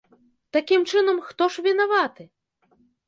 Такім чынам, хто ж вінаваты?